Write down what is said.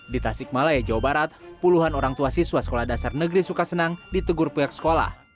di tasik malaya jawa barat puluhan orang tua siswa sekolah dasar negeri suka senang ditegur pihak sekolah